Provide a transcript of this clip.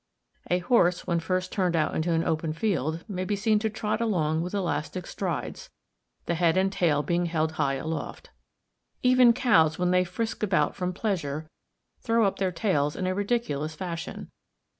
A horse when first turned out into an open field, may be seen to trot with long elastic strides, the head and tail being held high aloft. Even cows when they frisk about from pleasure, throw up their tails in a ridiculous fashion.